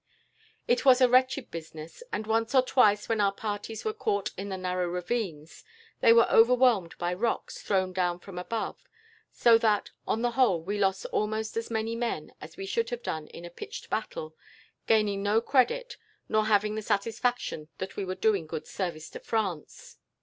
It was a wretched business, and once or twice, when our parties were caught in the narrow ravines, they were overwhelmed by rocks thrown down from above; so that, on the whole, we lost almost as many men as we should have done in a pitched battle, gaining no credit, nor having the satisfaction that we were doing good service to France.